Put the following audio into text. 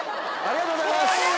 ありがとうございます。